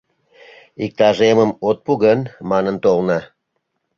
Иктаж эмым от пу гын манын толна.